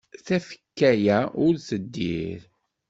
Tafekka-a ur teddir.